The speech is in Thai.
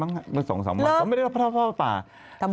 เมื่อเร็วนิดนึงสองวันไม่ได้ชื่อเพราะเพราะพ่อต่า